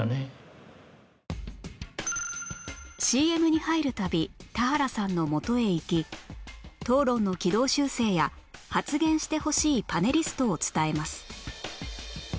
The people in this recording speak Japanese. ＣＭ に入る度田原さんのもとへ行き討論の軌道修正や発言してほしいパネリストを伝えます